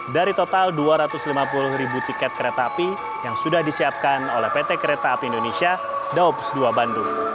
dari total dua ratus lima puluh ribu tiket kereta api yang sudah disiapkan oleh pt kereta api indonesia daops dua bandung